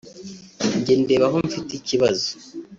Njye ndeba aho mfite ikibazo